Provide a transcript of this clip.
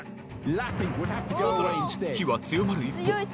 火は強まる一方。